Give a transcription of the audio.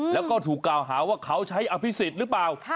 แล้วก็ถูกกล่าวหาว่าเขาใช้อภิษฎหรือเปล่า